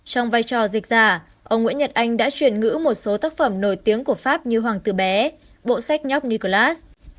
trong vai trò dịch giả ông nguyễn nhật anh đã truyền ngữ một số tác phẩm nổi tiếng của pháp như hoàng tử bé bộ sách nhóc nicolas